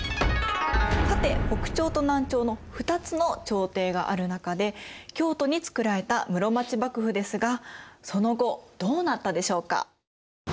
さて北朝と南朝の二つの朝廷がある中で京都につくられた室町幕府ですがその後どうなったでしょうか？